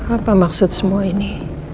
apa maksud semua ini